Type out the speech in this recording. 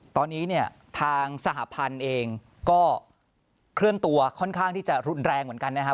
ตอนนี้เนี่ยทางสหพันธุ์เองก็เคลื่อนตัวค่อนข้างที่จะรุนแรงเหมือนกันนะครับ